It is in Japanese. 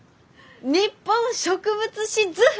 「日本植物志図譜」！